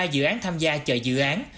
năm mươi ba dự án tham gia chờ dự án